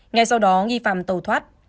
ngay sau đó nghi phạm tàu thoát